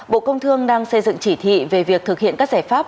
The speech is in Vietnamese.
bộ công thương đang xây dựng chỉ thị về việc thực hiện các giải pháp